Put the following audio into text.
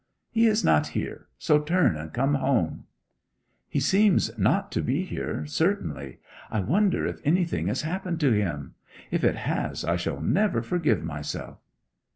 'He is not here; so turn and come home.' 'He seems not to be here, certainly; I wonder if anything has happened to him. If it has, I shall never forgive myself!'